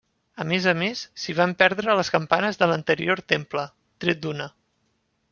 A més a més, s'hi van perdre les campanes de l'anterior temple, tret d'una.